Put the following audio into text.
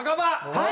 はい！